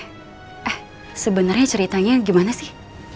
eh sebenernya ceritanya gimana sih